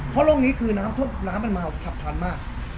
เพราะโลกนี้คือน้ำท่วมน้ำมันมาฉับพันธุ์มาก